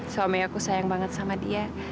suami aku sayang banget sama dia